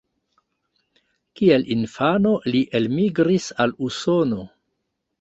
Kiel infano li elmigris al Usono.